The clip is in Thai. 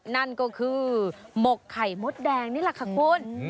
นั่นก็คือหมกไข่มดแดงนี่แหละค่ะคุณ